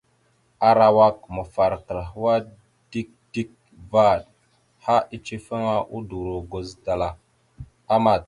Arawak mafarakal hwa dik dik vvaɗ, ha icefaŋa, udoro guzədalah amat.